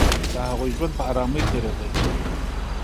د هغوی ژوند په آرامۍ تېرېده